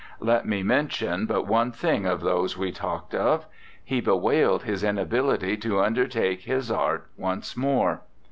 Let me mention but one thing of those we talked of: he bewailed his inability to undertake his art once more.